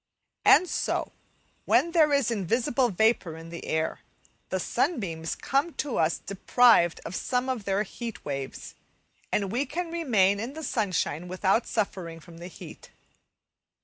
And so, when there is invisible vapour in the air, the sunbeams come to us deprived of some of their heat waves, and we can remain in the sunshine without suffering from the heat.